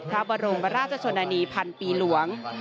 พระบรมราชชนนานีพันปีหลวง